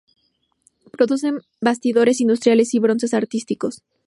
Producen bastidores industriales y bronces artísticos.